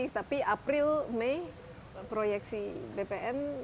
tapi april mei proyeksi bpn